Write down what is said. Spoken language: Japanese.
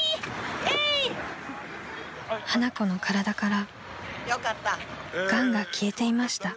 ［花子の体からがんが消えていました］